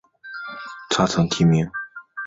他曾提名过三项奥斯卡最佳男主角奖。